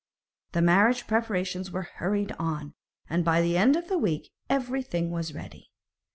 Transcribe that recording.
The marriage preparations were hurried on, and by the end of the week everything was ready.